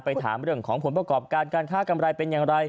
ถามเรื่องของผลประกอบการการค้ากำไรเป็นอย่างไร